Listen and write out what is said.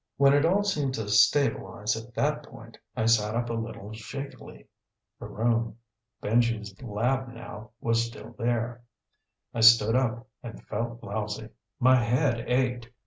When it all seemed to stabilize at that point, I sat up a little shakily. The room, Benji's lab now, was still there. I stood up and felt lousy. My head ached.